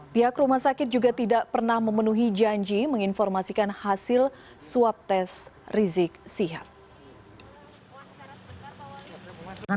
pihak rumah sakit juga tidak pernah memenuhi janji menginformasikan hasil swab tes rizik sihab